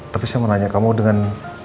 tapi saya mau nanya kamu dengan